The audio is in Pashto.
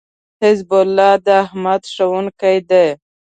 حزب الله داحمد ښوونکی دی